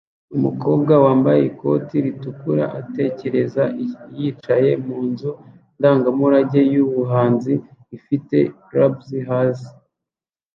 Umukobwa wambaye ikoti ritukura atekereza yicaye mu nzu ndangamurage yubuhanzi ifite cubes hasi